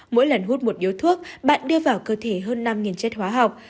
mỗi lần hút một điếu thuốc bạn đưa vào cơ thể hơn năm chất hóa học